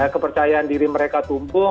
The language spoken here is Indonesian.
kepercayaan diri mereka tumbuh